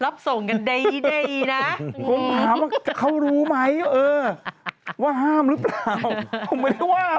ผมไม่ได้ว่าอะไร